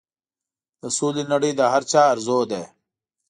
د سولې نړۍ د هر چا ارزو ده.